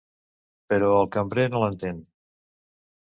Però el cambrer no l'entén.